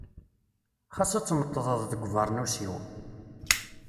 Xas ad tneṭḍeḍ deg ubeṛnus-iw.